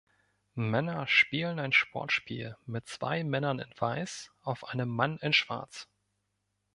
Männer spielen ein Sportspiel mit zwei Männern in Weiß auf einem Mann in Schwarz.